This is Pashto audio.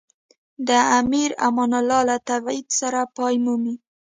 د امیر امان الله له تبعید سره پای مومي.